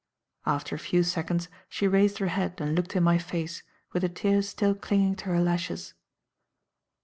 After a few seconds she raised her head and looked in my face, with the tears still clinging to her lashes.